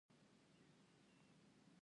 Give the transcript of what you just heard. د چرګانو دانه باید تولید شي.